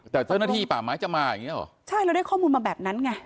แต่เจ้าหน้าที่ป่าไม้จะมาอย่างเงี้เหรอใช่เราได้ข้อมูลมาแบบนั้นไง